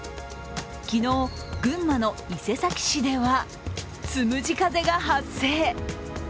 昨日、群馬の伊勢崎市では、つむじ風が発生。